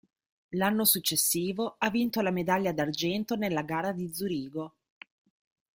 L'anno successivo ha vinto la medaglia d'argento nella gara di Zurigo.